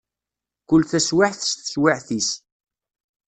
Kul taswiɛt s teswiɛt-is.